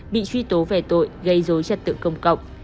truy tố về tội gây dối chất tự công cộng